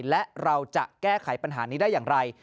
และเราจะแก้ไขปัญหานี้ได้อย่างไร